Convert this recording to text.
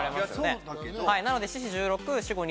なので。